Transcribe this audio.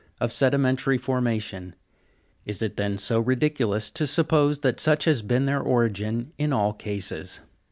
of sedimentary formation : is it then so ridiculous to suppose that such has been their origin in all cases?